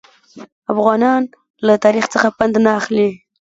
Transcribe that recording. افغانان له تاریخ څخه پند نه اخلي.